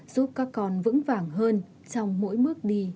giúp các con vững vàng hơn trong mỗi bước đi